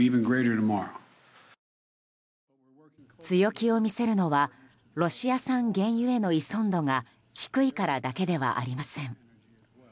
強気を見せるのはロシア産原油への依存度が低いからだけではありません。